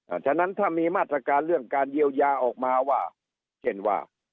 ฉะนั้นถ้ามีมาตรการเรื่องการเยียวยาออกมาว่าเช่นว่า